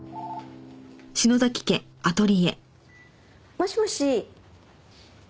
もしもし。